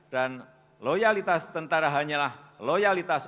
dan loyalitas tentara hanyalah loyalitas